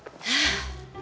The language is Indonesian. tunggu sebentar nanti